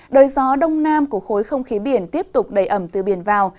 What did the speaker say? đời gió đông nam của khối không khí biển tiếp tục đầy ẩm từ biển vào